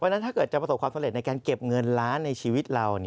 เพราะฉะนั้นถ้าเกิดจะประสบความสำเร็จในการเก็บเงินล้านในชีวิตเรา